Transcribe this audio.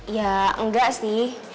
ya enggak sih